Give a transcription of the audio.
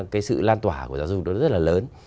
cái sự lan tỏa của giáo dục nó rất là lớn